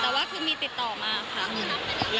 แต่ว่าคือมีติดต่อมาค่ะ